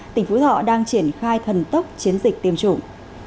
tỉnh phú thọ đang triển khai thần tốc chiến dịch tiêm chủng